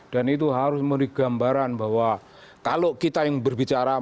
dan itu harus memberi gambaran bahwa kalau kita yang berbicara